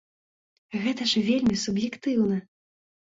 Гэта ж вельмі суб'ектыўна!